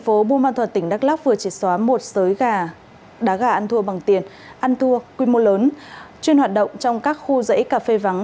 bộ bùa ban thuật tỉnh đắk lóc vừa chỉ xóa một sới đá gà ăn thua bằng tiền ăn thua quy mô lớn chuyên hoạt động trong các khu giấy cà phê vắng